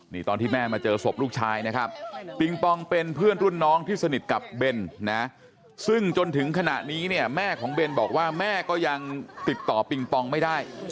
นี่ตอนที่แม่มาเจอศพลูกชายนะครับปิงปองเป็นเพื่อนรุ่นน้องที่สนิทกับเบนนะซึ่งจนถึงขณะนี้เนี่ยแม่ของเบนบอกว่าแม่ก็ยังติดต่อปิงปองไม่ได้